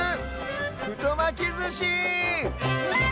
ふとまきずし！